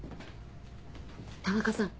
田中さん